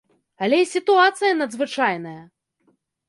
Але і сітуацыя надзвычайная!